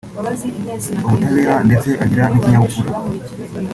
ubutabera ndetse agira n’ikinyabupfura